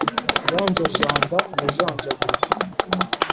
Iranjajanga ndajanjagurika,